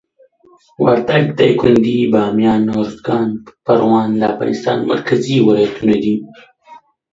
وردګ، دایکندي، بامیان، اروزګان، پروان د افغانستان مرکزي ولایتونه دي.